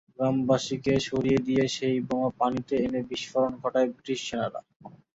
গ্রামবাসীকে সরিয়ে দিয়ে সেই বোমা পানিতে এনে বিস্ফোরণ ঘটায় ব্রিটিশ সেনারা।